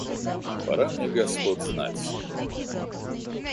Пора мне господ знать.